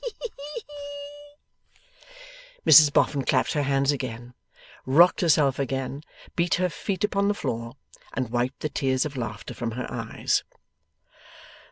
Ha ha ha ha ha!' Mrs Boffin clapped her hands again, rocked herself again, beat her feet upon the floor, and wiped the tears of laughter from her eyes.